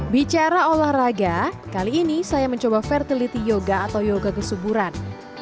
bicara olahraga kali ini saya mencoba fertility yoga atau yoga kesuburan